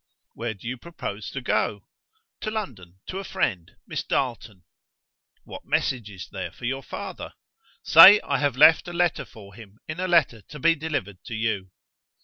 "Where do you propose to go?" "To London; to a friend Miss Darleton." "What message is there for your father?" "Say I have left a letter for him in a letter to be delivered to you."